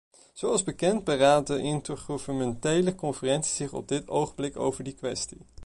Zoals bekend beraadt de intergouvernementele conferentie zich op dit ogenblik over die kwestie.